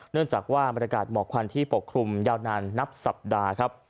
เนื่องจากว่าบรรยากาศหมอกควันที่ปกคลุมยาวนานนับสัปดาห์ครับ